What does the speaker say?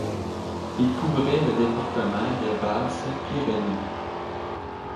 Il couvrait le département des Basses-Pyrénées.